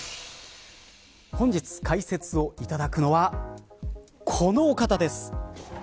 本日解説をいただくのはこのお方です。